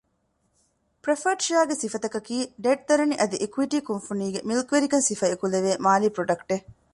ޕްރެފަރޑް ޝެއަރގެ ސިފަތަކަކީ ޑެޓް ދަރަނި އަދި އިކުއިޓީ ކުންފުނީގެ މިލްކުވެރިކަން ސިފަ އެކުލެވޭ މާލީ ޕްރޮޑަކްޓެއް